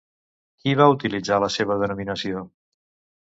Qui va utilitzar la seva denominació?